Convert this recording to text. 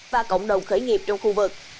và cộng đồng khởi nghiệp trong khu vực